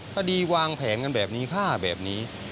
พอดีวางแผนกันแบบนี้ฆ่าแบบนี้